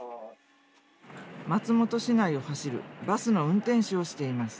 松本市内を走るバスの運転手をしています。